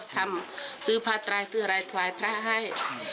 ทำซื้อพระไทยเธอรายไทยให้